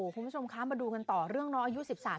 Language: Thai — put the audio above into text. คุณผู้ชมคะมาดูกันต่อเรื่องน้องอายุ๑๓